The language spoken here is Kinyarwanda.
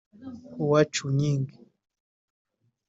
Hua Chunying